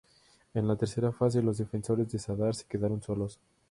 En la tercera fase, los defensores de Zadar se quedaron solos.